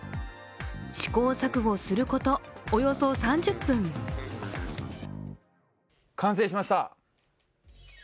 試行錯誤することおよそ３０分完成しました！